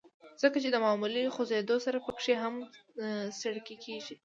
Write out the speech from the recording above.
ځکه چې د معمولي خوزېدو سره پکښې هم څړيکې کيږي